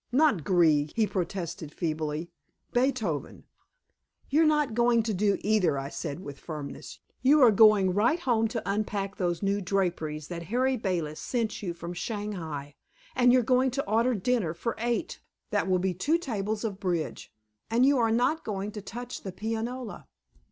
"Not Grieg," he protested feebly. "Beethoven." "You're not going to do either," I said with firmness. "You are going right home to unpack those new draperies that Harry Bayles sent you from Shanghai, and you are going to order dinner for eight that will be two tables of bridge. And you are not going to touch the pianola."